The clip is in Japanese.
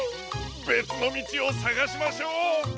べつのみちをさがしましょう。